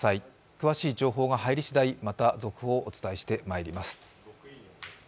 詳しい情報が入りしだいまた続報をお伝えしていきます。